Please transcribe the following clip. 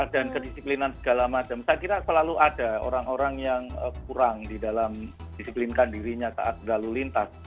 dan kedisiplinan segala macam saya kira selalu ada orang orang yang kurang di dalam disiplinkan dirinya saat lalu lintas